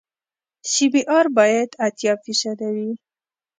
سی بي ار باید اتیا فیصده وي